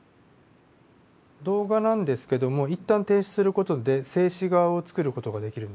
動画なんですけども一旦停止する事で静止画を作る事ができるんですね。